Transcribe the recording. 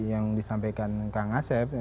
yang disampaikan kang asep